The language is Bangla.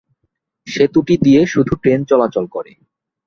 সেতুটি দিয়ে শুধু ট্রেন চলাচল করে।